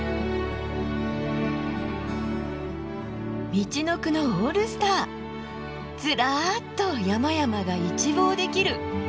みちのくのオールスター！ずらっと山々が一望できる。